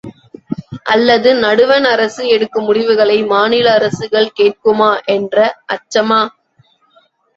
அல்லது நடுவண் அரசு எடுக்கும் முடிவுகளை மாநில அரசுகள் கேட்குமா என்ற அச்சமா?